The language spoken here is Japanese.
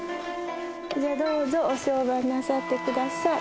じゃあどうぞお相伴なさってください。